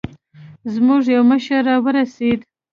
زموږ يو مشر راورسېد.